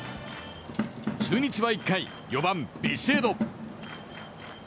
中日は１回、４番ビシエド。